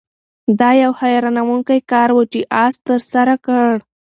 دا یو حیرانوونکی کار و چې آس ترسره کړ.